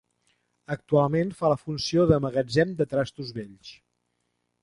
Actualment fa la funció de magatzem de trastos vells.